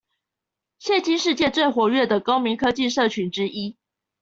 現今世界最活躍的公民科技社群之一